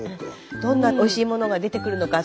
どんなおいしいものが出てくるのか。